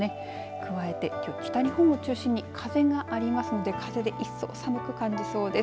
加えて北日本を中心に風がありますので風で一層寒く感じそうです。